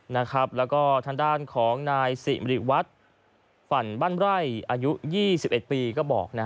แล้วก็ทางด้านของนายสิริวัตรฝั่นบ้านไร่อายุ๒๑ปีก็บอก